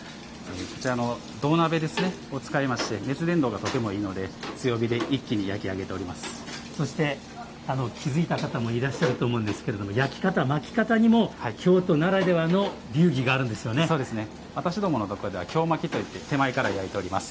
こちらの銅鍋を使いまして熱伝導がとてもいいので強火でそして気付いた方もいらっしゃると思うんですけれども焼き方、巻き方にも京都ならではの私どものところでは京巻きといって手前から焼いております。